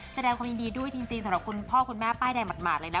แสดงความยินดีด้วยจริงสำหรับคุณพ่อคุณแม่ป้ายแดงหมาดเลยนะ